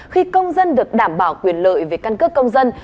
khi công dân được đảm bảo quyền lợi về căn cước công dân